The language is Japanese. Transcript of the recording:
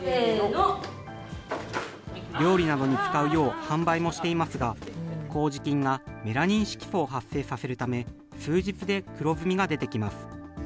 料理などに使うよう販売もしていますが、こうじ菌がメラニン色素を発生させるため、数日で黒ずみが出てきます。